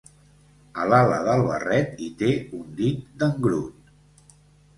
A l'ala del barret hi té un dit d'engrut.